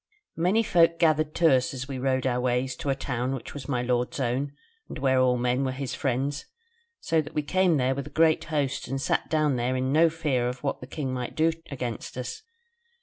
"Many folk gathered to us as we rode our ways to a town which was my lord's own, and where all men were his friends, so that we came there with a great host and sat down there in no fear of what the king might do against us.